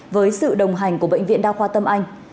với sự đồng hành của bệnh viện đa khoa tâm anh